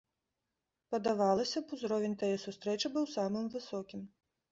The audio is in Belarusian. Падавалася б, узровень тае сустрэчы быў самым высокім.